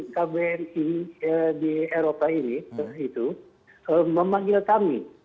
kbri di eropa ini itu memanggil kami